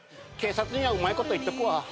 警察にはうまいこと言っとくわ。